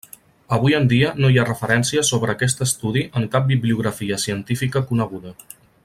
Avui en dia, no hi ha referències sobre aquest estudi en cap bibliografia científica coneguda.